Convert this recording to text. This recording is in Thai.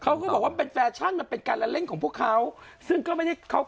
เขาก็บอกว่าเป็นแฟชั่นเป็นการละเล่นของพวกเขา